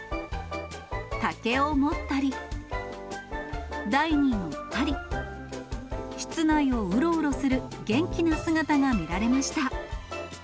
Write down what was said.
竹を持ったり、台に乗ったり、室内をうろうろする元気な姿が見られました。